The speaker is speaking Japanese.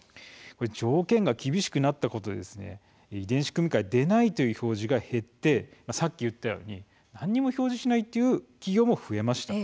条件が厳しくなったことで「遺伝子組み換えでない」という表示が減って何も表示しないという企業も増えました。